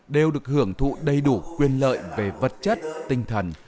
đều được hưởng thụ đầy đủ quyền lợi về vật chất tinh thần